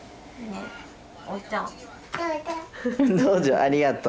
ありがとう。